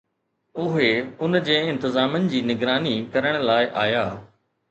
اهي ان جي انتظامن جي نگراني ڪرڻ لاء آيا